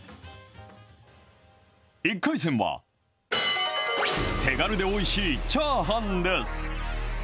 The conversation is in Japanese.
１回戦は、手軽でおいしいチャーハンです。